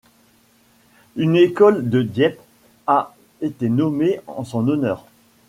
Une école de Dieppe a été nommée en son honneur.